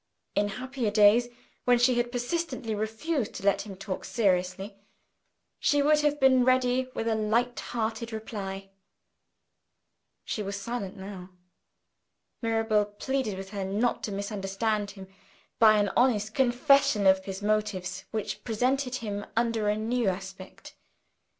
In happier days when she had persistently refused to let him speak to her seriously she would have been ready with a light hearted reply. She was silent now. Mirabel pleaded with her not to misunderstand him, by an honest confession of his motives which presented him under a new aspect.